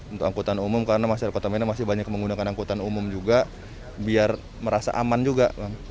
untuk angkutan umum karena masyarakat kota medan masih banyak menggunakan angkutan umum juga biar merasa aman juga